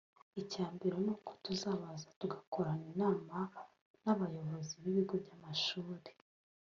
Icyambere ni uko tuzabanza tugakorana inama n’abayobozi b’ibigo by’amashuri